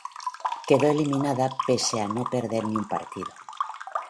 Quedó eliminada pese a no perder ni un partido.